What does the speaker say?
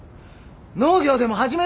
農業でも始めるか？